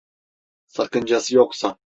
Sakıncası yoksa.